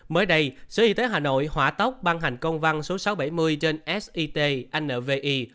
mới đây sở y tế hà nội hỏa tốc ban hành công văn số sáu trăm bảy mươi trên sit nvi